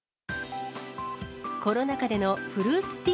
コロナ禍でのフルーツティー